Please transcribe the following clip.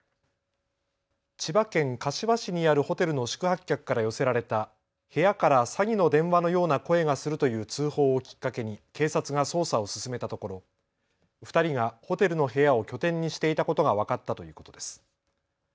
千葉県柏市にあるホテルの宿泊客から寄せられた部屋から詐欺の電話のような声がするという通報をきっかけに警察が捜査を進めたところ２人がホテルの部屋を拠点にしていたことが分かったということです。